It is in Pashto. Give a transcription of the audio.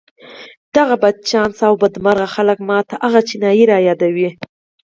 دغه بدچانسه او بدمرغه خلک ما ته هغه چينايي را يادوي.